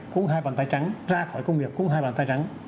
cũng hai bàn tay trắng